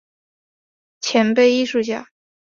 前辈艺术家